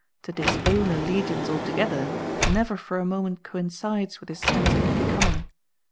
To disown allegiance altogether never for a moment coincides with his sense of the becoming.